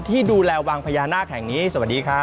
ที่ดูแลวังพญานาคแห่งนี้สวัสดีครับ